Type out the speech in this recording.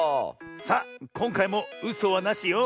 さあこんかいもうそはなしよ。